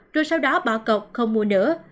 rồi sau đó bỏ cột không mua nữa